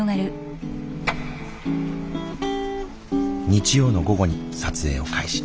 日曜の午後に撮影を開始。